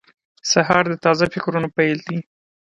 سهار د تازه فکرونو پیل دی.